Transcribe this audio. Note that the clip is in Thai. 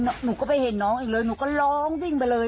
น้องก็เห็นน้องอีกเลยน้องก็ร้องหน้าวิ่งเลย